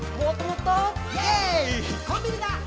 「コンビニだ！